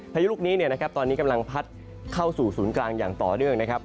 พายุลูกนี้ตอนนี้กำลังพัดเข้าสู่ศูนย์กลางอย่างต่อเนื่องนะครับ